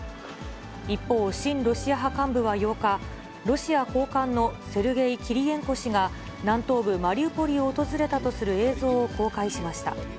一方、親ロシア派幹部は８日、ロシア高官のセルゲイ・キリエンコ氏が、南東部マリウポリを訪れたとする映像を公開しました。